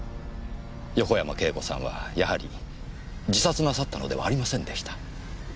横山慶子さんはやはり自殺なさったのではありませんでした。